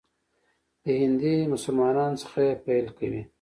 د هندي مسلمانانو څخه یې پیل کوي.